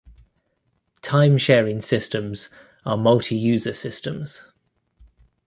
Time-sharing systems are multi-user systems.